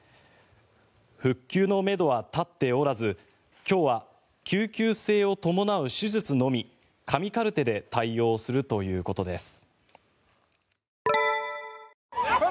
復旧のめどは立っておらず今日は救急性を伴う手術のみ紙カルテで対応するということです。